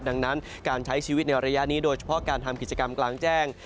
ดังนั้นการใช้ชีวิตในระยะนี้โดยเฉพาะการทำกิจกรรมกลางแจ้ง